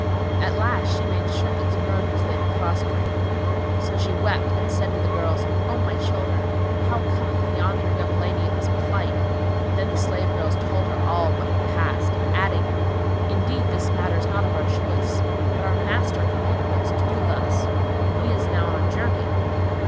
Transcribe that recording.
At last she made sure that Zumurrud was laid prostrate; so she wept and said to the girls, "O my children, how cometh yonder young lady in this plight?" Then the slave girls told her all what had passed, adding, "Indeed this matter is not of our choice; but our master commanded us to do thus, and he is now on a journey."